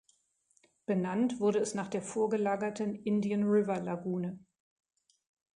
Benannt wurde es nach der vorgelagerten Indian River-Lagune.